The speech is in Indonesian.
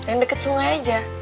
yang deket sungai aja